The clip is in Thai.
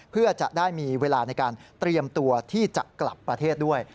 เพื่อจะได้มีเวลาในการเตรียมตัวที่จะกลับประเทศด้วย